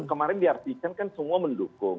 kemarin diartikan kan semua mendukung